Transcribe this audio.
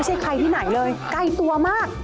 ใช่ใครที่ไหนเลยใกล้ตัวมาก